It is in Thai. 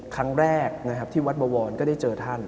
ครั้งแรกที่วัดบวรรณ์ก็ได้เจอท่าน